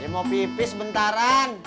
dia mau pipis bentaran